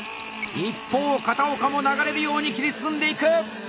一方片岡も流れるように切り進んでいく！